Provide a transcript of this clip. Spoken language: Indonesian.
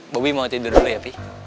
boby mau tidur dulu ya pi